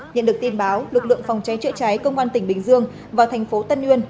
nhận được tin báo lực lượng phòng cháy trợ cháy công an tỉnh bình dương và tp tân nguyên